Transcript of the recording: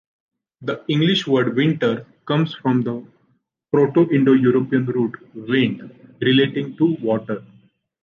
The English word "winter" comes from the Proto-Indo-European root "wend," relating to water.